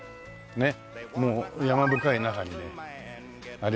ねっ。